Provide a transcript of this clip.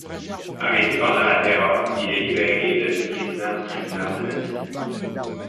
Arrêté pendant la Terreur, il est libéré et devient président du tribunal de Nancy.